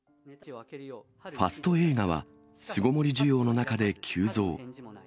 ファスト映画は、巣ごもり需要の中で急増。